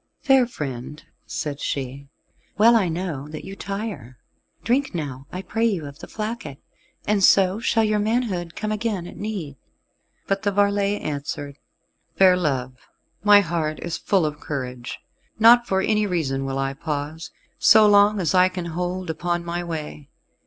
"Fair friend," said she, "well I know that you tire: drink now, I pray you, of the flacket, and so shall your manhood come again at need." But the varlet answered, "Fair love, my heart is full of courage; nor for any reason will I pause, so long as I can hold upon my way.